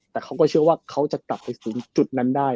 แต่เขาก็เชื่อว่าเขาจะกลับไปถึงจุดนั้นได้